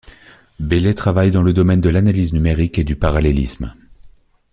Bailey travaille dans le domaine de l'analyse numérique et du parallélisme.